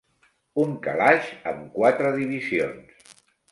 Un calaix amb quatre divisions.